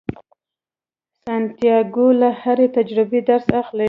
سانتیاګو له هرې تجربې درس اخلي.